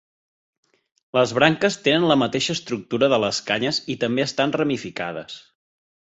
Les branques tenen la mateixa estructura de les canyes i també estan ramificades.